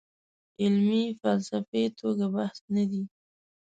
علمي فلسفي توګه بحث نه دی.